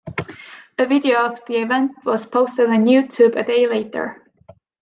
A video of the event was posted on YouTube a day later.